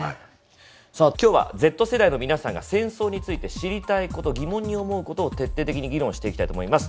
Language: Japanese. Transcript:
さあ今日はＺ世代の皆さんが戦争について知りたいこと疑問に思うことを徹底的に議論していきたいと思います。